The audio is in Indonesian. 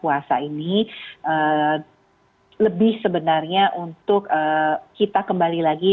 puasa ini lebih sebenarnya untuk kita kembali lagi